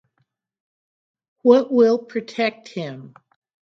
What will protect him?